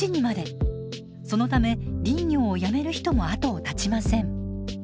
そのため林業を辞める人も後を絶ちません。